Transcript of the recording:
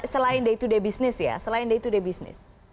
selain day to day business ya selain day to day bisnis